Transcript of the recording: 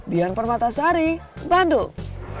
dian permatasari bandung